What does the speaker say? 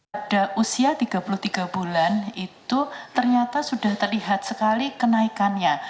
pada usia tiga puluh tiga bulan itu ternyata sudah terlihat sekali kenaikannya